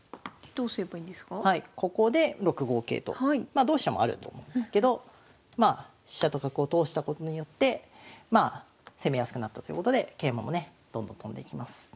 まあ同飛車もあると思うんですけど飛車と角を通したことによって攻めやすくなったということで桂馬もねどんどん跳んでいきます。